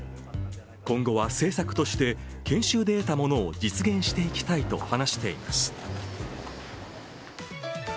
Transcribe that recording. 今後は政策として研修で得たものを実現していきたいと話しています。